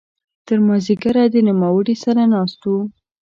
تر ماذیګره د نوموړي سره ناست وو.